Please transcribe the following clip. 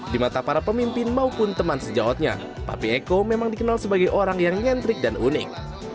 di mata para pemimpin maupun teman sejawatnya papi eko memang dikenal sebagai orang yang nyentrik dan unik